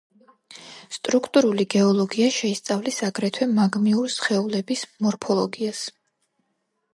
სტრუქტურული გეოლოგია შეისწავლის აგრეთვე მაგმური სხეულების მორფოლოგიას.